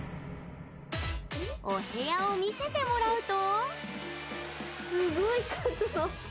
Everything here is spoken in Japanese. お部屋を見せてもらうと。